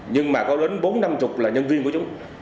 nhưng mà có đến bốn năm mươi là nhân viên của chúng